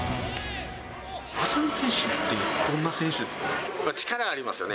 浅野選手って、どんな選手で力ありますよね。